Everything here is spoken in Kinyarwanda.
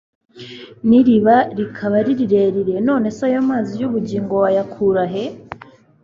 n’iriba rikaba ari rirerire, none se ayo mazi y’ubugingo wayakura he?